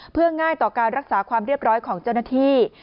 เพื่อง่ายต่อการรักษาความเรียบร้อยของเจ้าหน้าที่